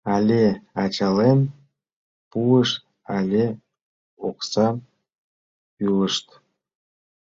Але ачален пуышт, але оксам тӱлышт.